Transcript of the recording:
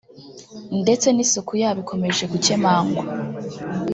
ndetse n’isuku yabo ikomeje gukemangwa